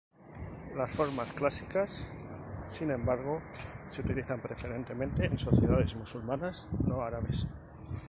Las formas clásicas, sin embargo, se utilizan preferentemente en sociedades musulmanas no árabes.